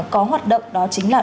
có hoạt động đó chính là